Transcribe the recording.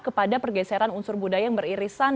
kepada pergeseran unsur budaya yang beririsan